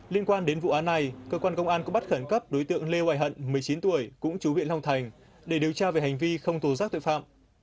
liên quan đến vụ án này cơ quan công an cũng bắt khẩn cấp đối tượng lê hoài hận một mươi chín tuổi cũng chú huyện long thành để điều tra về hành vi không tố giác tội phạm